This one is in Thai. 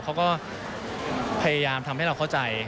เขาก็พยายามทำให้เราเข้าใจ